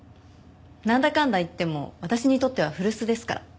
なんだかんだ言っても私にとっては古巣ですから。